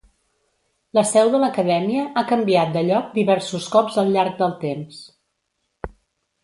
La seu de l'acadèmia ha canviat de lloc diversos cops al llarg del temps.